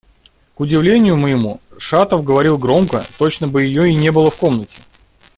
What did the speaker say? К удивлению моему, Шатов говорил громко, точно бы ее и не было в комнате.